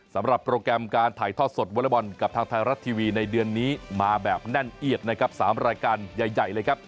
โปรแกรมการถ่ายทอดสดวอเลอร์บอลกับทางไทยรัฐทีวีในเดือนนี้มาแบบแน่นเอียดนะครับ๓รายการใหญ่เลยครับ